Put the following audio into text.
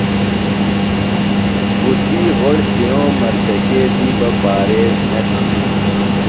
خو تی غوۡڑ شِیوم مرچکے دی بہ پاریز نہ تِھیلیۡ۔